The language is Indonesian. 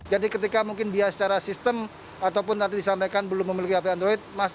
jadi ketika mungkin dia secara sistem ataupun nanti disampaikan belum memiliki hp android